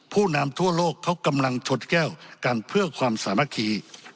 ผู้นำทั่วโลกเขากำลังชนแก้วกันเพื่อความสามัคคี